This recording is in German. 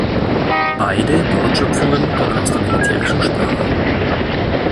Beide Wortschöpfungen kommen aus der militärischen Sprache.